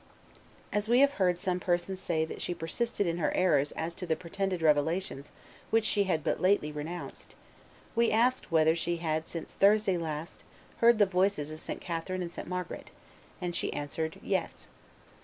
As we had heard some persons say that she persisted in her errors as to the pretended revelations which she had but lately renounced, we asked whether she had since Thursday last heard the voices of St. Catherine and St. Margaret; and she answered, Yes.